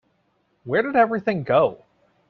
Where did everything go?